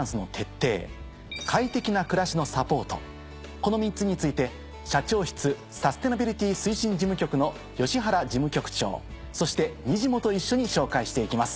この３つについて社長室サステナビリティポリシー推進事務局の吉原事務局長そして「にじモ」と一緒に紹介して行きます。